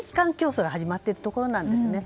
競争が始まっているところなんですね。